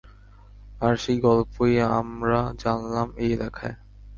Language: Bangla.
আর সেই গল্পই আমরা জানলাম এই লেখায়।